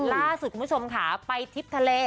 ล่าสุดคุณผู้ชมค่ะไปทริปทะเล